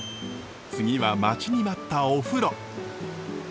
次は待ちに待ったお風呂。